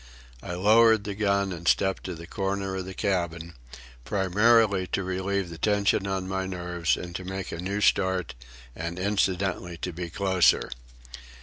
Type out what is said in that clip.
I lowered the gun and stepped to the corner of the cabin, primarily to relieve the tension on my nerves and to make a new start, and incidentally to be closer.